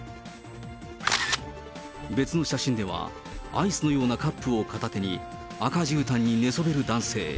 別の写真では、アイスのようなカップを片手に、赤じゅうたんに寝そべる男性。